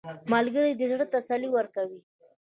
ملګری د زړه ته تسلي ورکوي